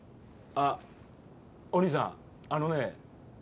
あっおにいさんあのね